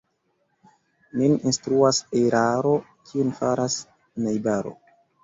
Nin instruas eraro, kiun faras najbaro.